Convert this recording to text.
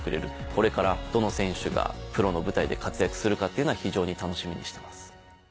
これからどの選手がプロの舞台で活躍するかっていうのは非常に楽しみにしてます。